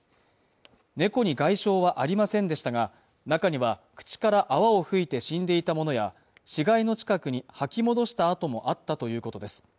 猫に外傷はありませんでしたが中には口から泡を吹いて死んでいたものや死骸の近くに吐き戻した跡もあったということです